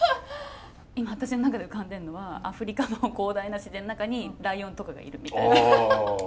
今私の中に浮かんでるのはアフリカの広大な自然の中にライオンとかがいるみたいな。